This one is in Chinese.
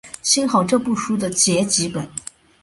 幸好这部书的结集本。